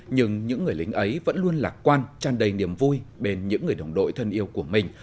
nhưng những người lính ấy vẫn luôn lạc quan tràn đầy niềm vui bên những người đồng đội thân yêu của mình